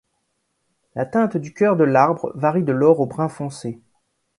La teinte du cœur de l’arbre varie de l’or au brun foncé.